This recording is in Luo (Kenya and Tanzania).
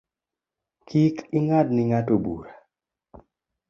Kik ing’ad ni ng’ato bura